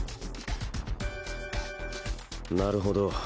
なるほど。